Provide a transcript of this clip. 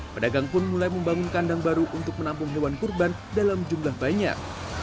pedagang pun mulai membangun kandang baru untuk menampung hewan kurban dalam jumlah banyak